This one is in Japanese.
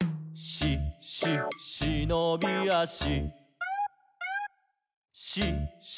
「し・し・しのびあし」